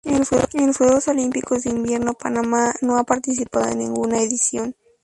En los Juegos Olímpicos de Invierno Panamá no ha participado en ninguna edición.